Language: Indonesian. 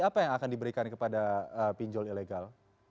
apa yang akan diberikan kepada pinjol ilegal